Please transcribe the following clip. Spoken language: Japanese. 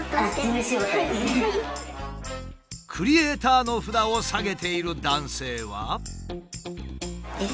「クリエイター」の札をさげている男性は。